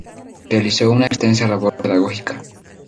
Realizó una extensa labor pedagógica.